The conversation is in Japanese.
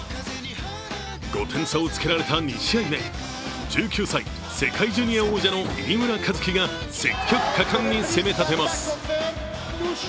５点差をつけられた２試合目、１９歳、世界ジュニア王者の飯村一樹が積極果敢に攻め立てます。